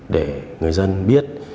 để người dân biết